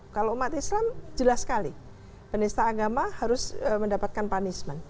kalau umat islam jelas sekali penista agama harus mendapatkan punishment